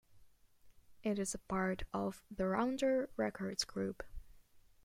It is a part of the Rounder Records group.